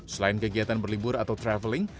selain kegiatan berlibur atau traveling